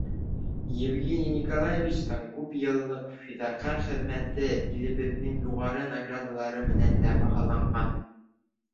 Евгений Николаевичтың күп йыллыҡ фиҙаҡәр хеҙмәте илебеҙҙең юғары наградалары менән дә баһаланған.